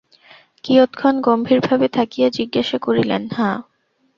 কিয়ৎক্ষণ গম্ভীরভাবে থাকিয়া জিজ্ঞাসা করিলেন, হাঁ।